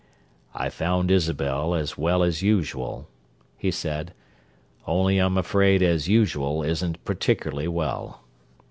"I found Isabel as well as usual," he said, "only I'm afraid 'as usual' isn't particularly well.